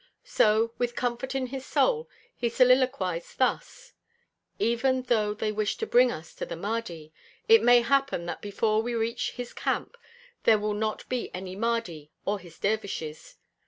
So, with comfort in his soul, he soliloquized thus: "Even though they wish to bring us to the Mahdi, it may happen that before we reach his camp there will not be any Mahdi or his dervishes."